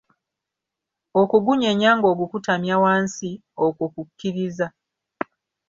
Okugunyeenya ng'ogukutamya wansi, okwo kukkiriza.